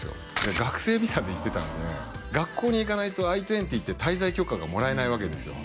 学生ビザで行ってたんで学校に行かないとＩ−２０って滞在許可がもらえないわけですよね